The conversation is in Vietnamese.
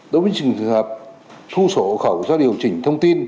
đối với trình thực hợp thu sổ hộ khẩu do điều chỉnh thông tin